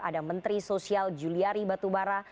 ada menteri sosial juliari batubara